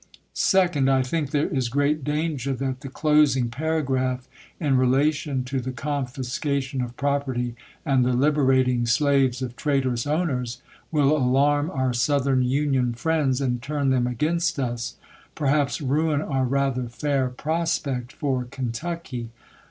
Second. I think there is gi eat danger that the closing paragraph, in relation to the confiscation of property and the liberating slaves of traitorous owners, will alarm our Southern Union friends and turn them against us ; per haps ruin our rather fair prospect for Kentucky.